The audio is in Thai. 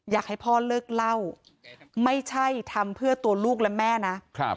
อยากให้พ่อเลิกเล่าไม่ใช่ทำเพื่อตัวลูกและแม่นะ